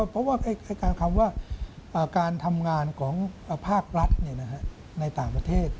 เพราะว่าการคำว่าการทำงานของภาครัฐในต่างประเทศ